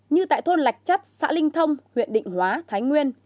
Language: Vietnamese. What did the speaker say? như tại thôn lạch chất xã linh thông huyện định hóa thái nguyên